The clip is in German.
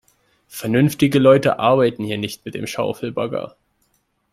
Vernünftige Leute arbeiten hier nicht mit dem Schaufelbagger.